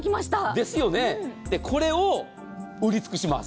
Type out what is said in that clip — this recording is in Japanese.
で、これを売り尽くします。